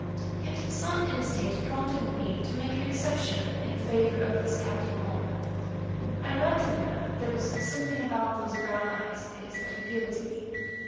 Yet some instinct prompted me to make an exception in favour of this Captain Orme. I liked the man; there was something about those brown eyes of his that appealed to me.